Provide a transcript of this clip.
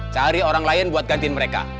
cari orang lain buat gantiin mereka